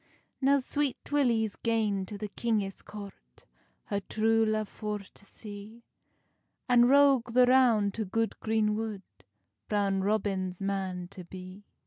Now Sweet Willy's gane to the kingis court, Her true love for to see, And Roge the Roun to good green wood, Brown Robin's man to be.